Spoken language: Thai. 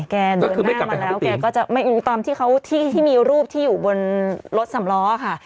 เดินหน้ามาแล้วแกก็จะไม่รู้ตอนที่เขาที่มีรูปที่อยู่บนรถสำล้อค่ะ